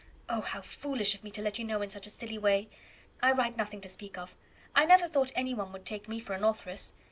"Oh! how foolish of me to let you know in such a silly way. I write nothing to speak of. I never thought any one would take me for an authoress.